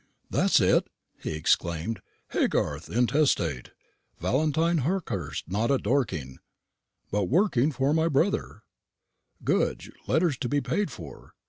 _" "That's it," he exclaimed; "Haygarth intestate; Valentine Hawkehurst not at Dorking, but working for my brother; Goodge letters to be paid for.